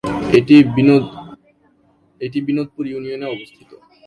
এটি বিনোদপুর ইউনিয়নে অবস্থিত।